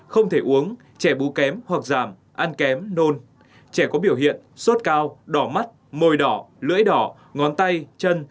không thể uống trẻ bú kém hoặc giảm ăn kém nôn trẻ có biểu hiện sốt cao đỏ mắt mồi đỏ lưỡi đỏ ngón tay chân